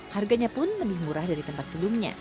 harganya pun lebih murah dari tempat sebelumnya